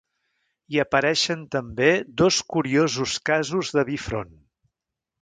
Hi apareixen també dos curiosos casos de bifront.